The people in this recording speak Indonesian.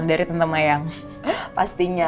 dari teman teman yang pastinya